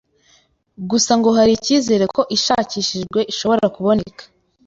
gusa ngo hari icyizere ko ishakishijwe ishobora kuboneka